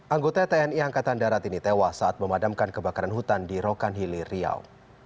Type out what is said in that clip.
anggota tni angkatan darat ini tewas saat memadamkan kebakaran hutan di rokanhili riau